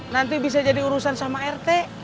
nanti bisa jadi urusan sama rt